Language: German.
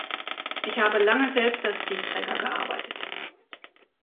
Ich habe lange selbst als Briefträger gearbeitet.